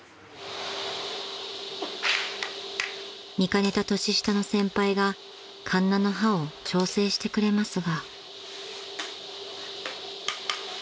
［見かねた年下の先輩がかんなの刃を調整してくれますが］